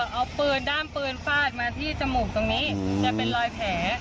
เอาปืนด้ามปืนฟาดมาที่จมูกตรงนี้จะเป็นรอยแผล